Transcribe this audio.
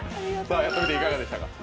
やってみていかがでしたか？